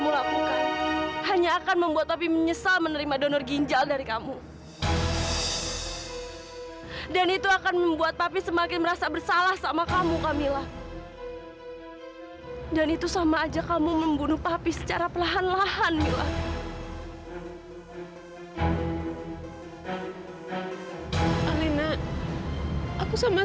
sampai jumpa di video selanjutnya